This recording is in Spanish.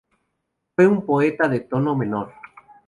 Fue un poeta de tono menor.